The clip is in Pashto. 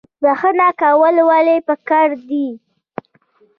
بخښنه کول ولې پکار دي؟